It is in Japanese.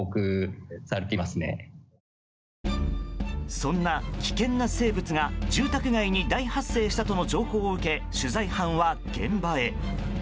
そんな危険な生物が住宅街に大発生したとの情報を受け、取材班は現場へ。